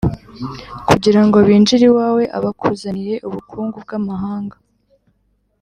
kugira ngo binjire iwawe, abakuzaniye ubukungu bw’amahanga,